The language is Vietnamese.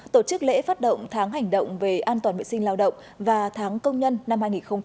tổ chức lễ phát động tháng hành động về an toàn vệ sinh lao động và tháng công nhân năm hai nghìn hai mươi bốn